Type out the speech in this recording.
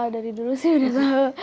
dari dulu sih